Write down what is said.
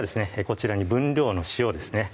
こちらに分量の塩ですね